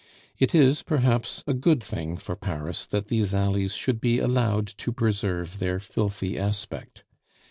It is, perhaps, a good thing for Paris that these alleys should be allowed to preserve their filthy aspect.